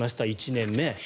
１年目。